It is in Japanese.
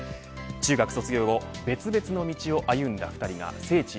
中学卒業後別々の道を歩んだ２人が聖地